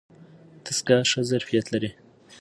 دستګاه ښه ظرفیت لري.